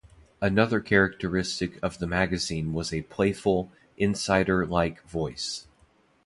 Another characteristic of the magazine was a playful, insider-like voice.